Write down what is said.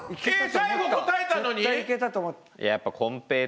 最後答えたのに！？